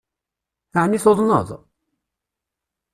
Ɛni tuḍneḍ?